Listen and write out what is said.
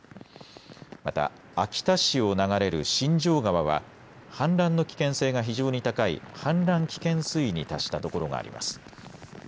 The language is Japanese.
また秋田市を流れる新城川は氾濫の危険性が非常に高い氾濫危険水位に達したところがあります。